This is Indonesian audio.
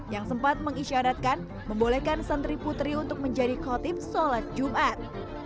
yang sempat mengisyaratkan membolehkan santri putri untuk menjadi khotib sholat jumat